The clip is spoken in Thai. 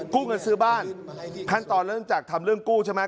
เงินซื้อบ้านขั้นตอนเริ่มจากทำเรื่องกู้ใช่ไหม